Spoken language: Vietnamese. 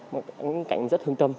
một cảnh rất hương tâm